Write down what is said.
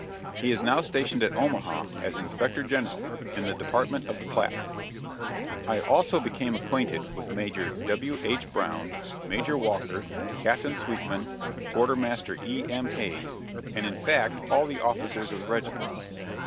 He is now stationed at Omaha as Inspector General in the department of the Platte. I also became acquainted with Major W.H. Brown, Major Walker. Captain Sweetman, Quartermaster E.M. Hays, and in fact all the officers of the regiment.